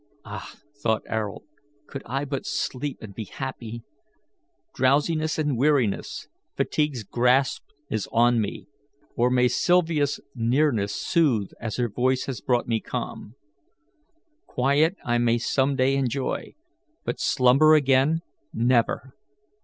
"Ah," thought Ayrault, "could I but sleep and be happy! Drowsiness and weariness, fatigue's grasp is on me; or may Sylvia's nearness soothe, as her voice has brought me calm! Quiet I may some day enjoy, but slumber again, never!